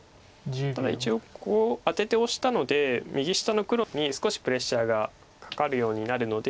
ただ一応ここアテてオシたので右下の黒に少しプレッシャーがかかるようになるので。